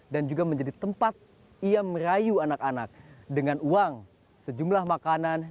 dan juga menjadi tempat ia merayu anak anak dengan uang sejumlah makanan